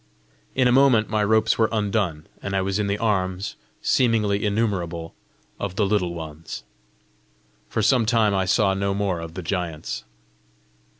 In a moment my ropes were undone, and I was in the arms, seemingly innumerable, of the Little Ones. For some time I saw no more of the giants.